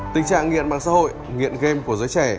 tình trạng nghiện mạng xã hội nghiện game của giới trẻ